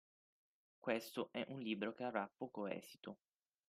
Questo è un libro che avrà poco esito.